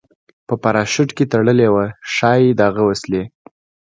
په پراشوټ کې تړلې وه، ښایي دغه وسلې.